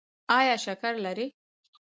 ایا شکر لرئ؟